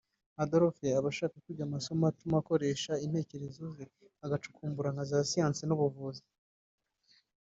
Adolphe aba ashaka kwiga amasomo atuma akoresha intekerezo ze agacukumbura nka za siyansi n’ubuvuzi